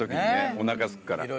おなかすくから。